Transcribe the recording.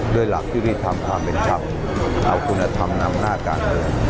ด้วยหลักที่ได้ทำความเป็นทำเอาคุณธรรมนำหน้าการเลย